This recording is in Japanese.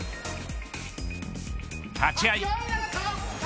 立ち合い。